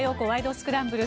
スクランブル」。